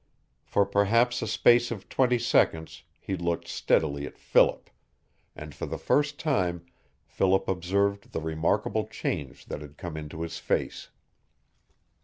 For perhaps a space of twenty seconds he looked steadily at Philip, and for the first time Philip observed the remarkable change that had come into his face.